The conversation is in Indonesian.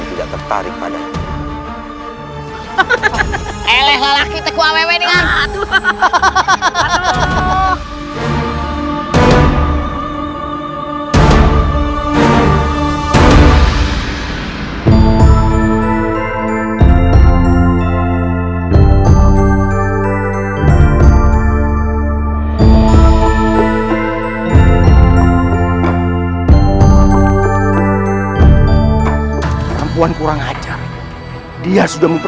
tidak tertinggal dan tidak reaching ke